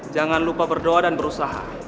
jangan lupa berdoa dan berusaha